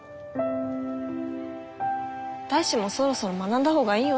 大志もそろそろ学んだほうがいいよ